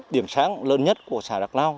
điểm sáng lớn nhất của xã đắk plao